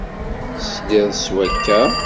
Tesliḍ s wakka?